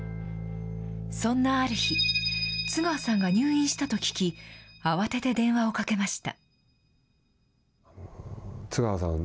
そんなある日、津川さんが入院したと聞き、慌てて電話をかけました。